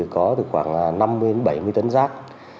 có khoảng năm mươi bảy mươi tấn rác